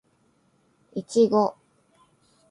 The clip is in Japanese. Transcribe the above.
いちご